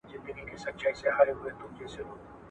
مور دي نه سي پر هغو زمریو بوره ..